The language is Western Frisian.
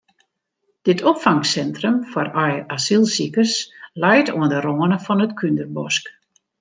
Dit opfangsintrum foar asylsikers leit oan de râne fan it Kúnderbosk.